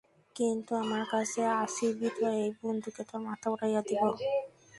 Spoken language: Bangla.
কিন্তু আমার কাছে আসিবি তো এই বন্দুকে তাের মাথা উড়াইয়া দিব।